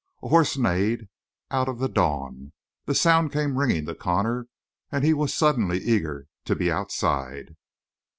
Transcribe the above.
A horse neighed out of the dawn; the sound came ringing to Connor, and he was suddenly eager to be outside.